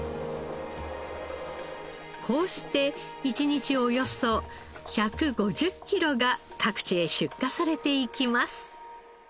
こうして１日およそ１５０キロが各地へ出荷されていきます。